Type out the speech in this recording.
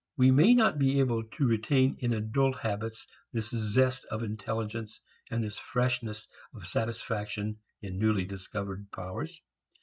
We may not be able to retain in adult habits this zest of intelligence and this freshness of satisfaction in newly discovered powers.